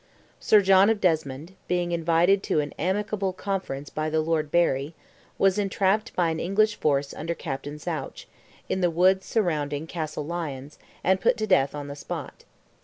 Sir John of Desmond, being invited to an amicable conference by the Lord Barry, was entrapped by an English force under Captain Zouch, in the woods surrounding Castle Lyons, and put to death on the spot.